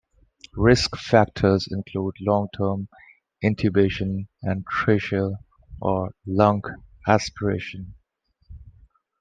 Risk factors include long-term intubation and tracheal or lung aspiration.